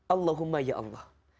allahumma ya allah